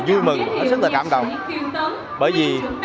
vui mừng hết sức là cảm động